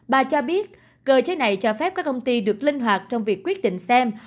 bà cho biết cơ chế này cho phép các công ty được linh hoạt trong việc quyết định xem